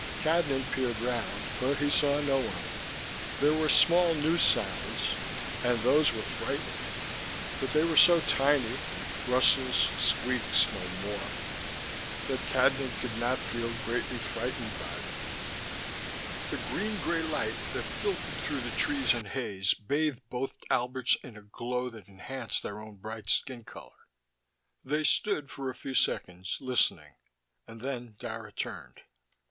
Cadnan peered round, but he saw no one. There were small new sounds, and those were frightening, but they were so tiny rustles, squeaks, no more that Cadnan could not feel greatly frightened by them. The green gray light that filtered through the trees and haze bathed both Alberts in a glow that enhanced their own bright skin color. They stood for a few seconds, listening, and then Dara turned.